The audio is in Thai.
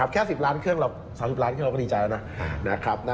แค่๑๐ล้านเครื่องเรา๓๐ล้านเครื่องเราก็ดีใจแล้วนะ